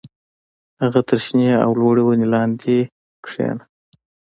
هغه تر شنې او لوړې ونې لاندې کېنه